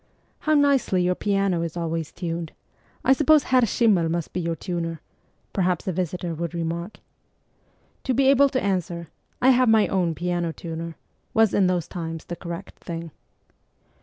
' How nicely your piano is always tuned ! I suppose Herr Schimmel must be your tuner ?' perhaps a visitor would remark. To be able to answer, ' I have my own piano tuner,' was in those times the correct thing.